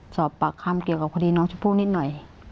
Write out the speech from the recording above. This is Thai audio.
สอบปากคำเกี่ยวกับคดีน้องชมพู่นิดหน่อย